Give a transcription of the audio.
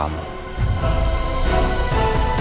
tanem imbac siang saja